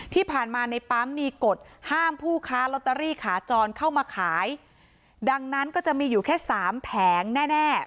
ที่ผ่านมาในปั๊มมีกฎห้ามผู้ค้าลอตเตอรี่ขาจรเข้ามาขายดังนั้นก็จะมีอยู่แค่สามแผงแน่แน่